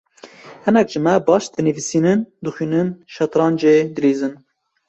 Hinek ji me baş dinivîsin, dixwînin, şetrancê dilîzin.